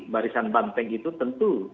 barisan banteng itu tentu